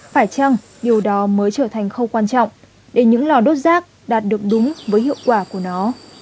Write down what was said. phải chăng điều đó mới trở thành khâu quan trọng để những lò đốt rác đạt được đúng với hiệu quả của nó